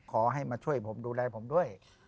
ขอให้มาช่วยผมดูแลผมด้วย